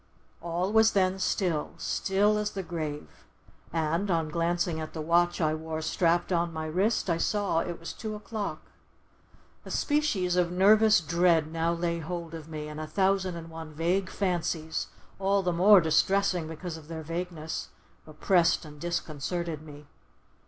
All was then still, still as the grave, and, on glancing at the watch I wore strapped on my wrist, I saw it was two o'clock. A species of nervous dread now laid hold of me, and a thousand and one vague fancies, all the more distressing because of their vagueness, oppressed and disconcerted me.